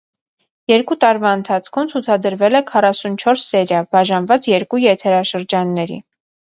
Երկու տարվա ընթացքում ցուցադրվել է քառասունչորս սերիա՝ բաժանված երկու եթերաշրջանների։